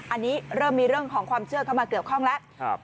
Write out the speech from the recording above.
อันนี้เริ่มมีเรื่องของความเชื่อเข้ามาเกี่ยวข้องแล้ว